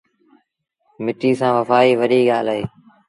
مٽيٚ سآݩ وڦآئيٚ وڏي ڳآل اهي۔